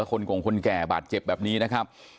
กงคนแก่บาดเจ็บแบบนี้นะครับ